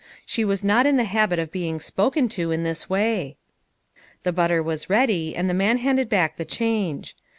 She was not in the habit of being spoken to in this way. The butter was ready, and the man handed back the change.